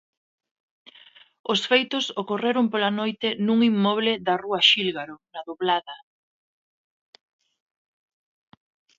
Os feitos ocorreron pola noite nun inmoble da rúa Xílgaro, na Doblada.